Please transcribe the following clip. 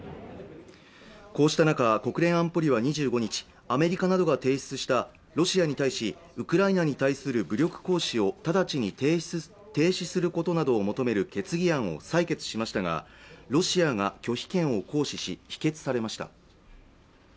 こうした中国連安保理は２５日アメリカなどが提出したロシアに対しウクライナに対する武力行使を直ちに停止することなどを求める決議案を採決しましたがロシアが拒否権を行使し否決されました